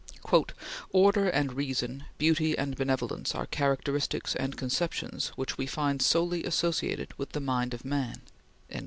"Order and reason, beauty and benevolence, are characteristics and conceptions which we find solely associated with the mind of man."